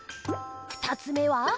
２つ目は。